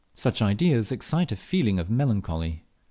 Such ideas excite a feeling of melancholy.